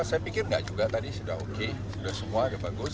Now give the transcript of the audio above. saya pikir nggak juga tadi sudah oke sudah semua sudah bagus